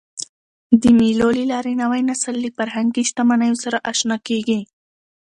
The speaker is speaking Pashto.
د مېلو له لاري نوی نسل له فرهنګي شتمنیو سره اشنا کېږي.